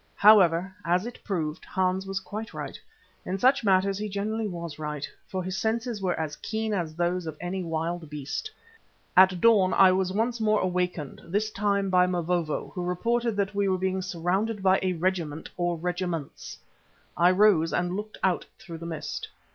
However, as it proved, Hans was quite right; in such matters he generally was right, for his senses were as keen as those of any wild beast. At dawn I was once more awakened, this time by Mavovo, who reported that we were being surrounded by a regiment, or regiments. I rose and looked out through the mist.